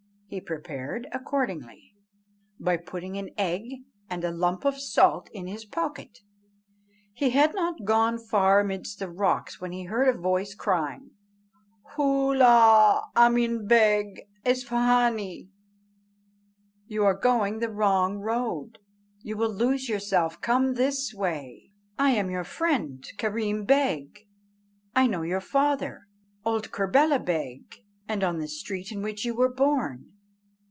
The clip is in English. He prepared accordingly, by putting an egg and a lump of salt in his pocket. He had not gone far amidst the rocks, when he heard a voice crying, "Holloa, Ameen Beg Isfahânee! you are going the wrong road, you will lose yourself; come this way. I am your friend Kerreem Beg; I know your father, old Kerbela Beg, and the street in which you were born."